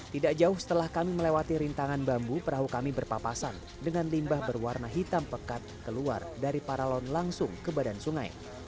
tidak jauh setelah kami melewati rintangan bambu perahu kami berpapasan dengan limbah berwarna hitam pekat keluar dari paralon langsung ke badan sungai